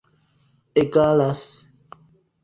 egalas